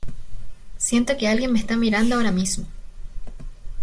Siento que alguien me está mirando ahora mismo.